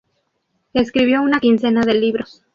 Escribió una quincena de libros.